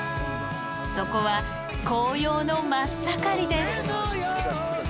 そこは紅葉の真っ盛りです。